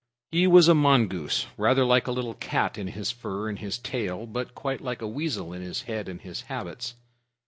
He was a mongoose, rather like a little cat in his fur and his tail, but quite like a weasel in his head and his habits.